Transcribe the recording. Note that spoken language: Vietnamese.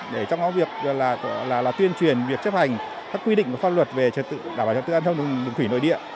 để trong đó tuyên truyền việc chấp hành các quy định và pháp luật về trật tự đảm bảo trật tự an trong đường thủy nội địa